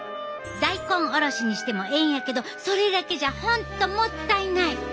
大根おろしにしてもええんやけどそれだけじゃ本当もったいない！